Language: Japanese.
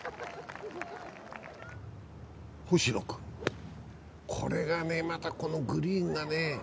星野君、これがね、またこのグリーンがね